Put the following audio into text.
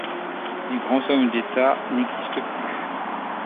Les grands hommes d'État n'existent plus.